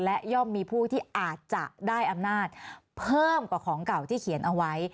และย่อมมีผู้ที่อาจจะได้อำนาจเพิ่มกว่าของเก่าที่เขียนเอาไว้